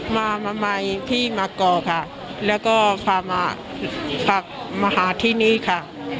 มามาใหม่ที่มาก่อค่ะแล้วก็พามาฝากมาหาที่นี้ค่ะ